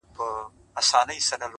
ښه تصمیمات روښانه راتلونکی جوړوي.!